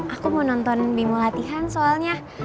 aku mau nonton bimo latihan soalnya